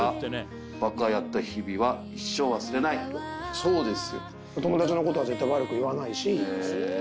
そうです。